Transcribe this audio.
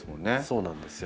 そうなんですよ。